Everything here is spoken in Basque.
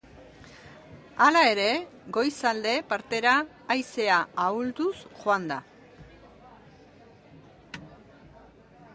Hala ere, goizalde partera haizea ahulduz joan da.